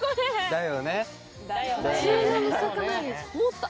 だよね？